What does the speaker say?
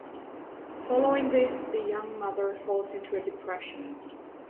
Following this, the young mother falls into a depression.